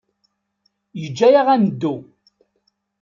Yeǧǧa-aɣ ad neddu.